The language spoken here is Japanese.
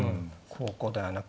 ここだよな。